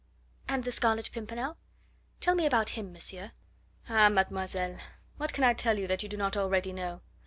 "And the Scarlet Pimpernel? Tell me about him, monsieur." "Ah, mademoiselle, what can I tell you that you do not already know?